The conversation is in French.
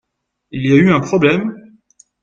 Il y a eu un problème ?